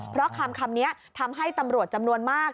เพราะคำนี้ทำให้ตำรวจจำนวนมาก